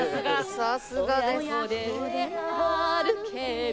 さすがです。